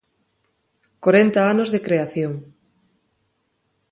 Corenta anos de creación.